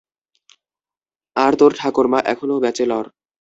আর তোর ঠাকুরমা এখনও ব্যাচেলর।